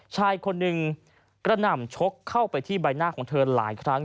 ชายคนหนึ่งกระหน่ำชกเข้าไปที่ใบหน้าของเธอหลายครั้ง